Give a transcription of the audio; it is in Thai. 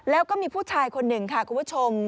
แล้วก็มีผู้ชายคนหนึ่งค่ะคุณผู้ชม